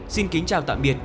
xin kính chào tạm biệt